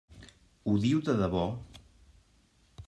Ho diu de debò?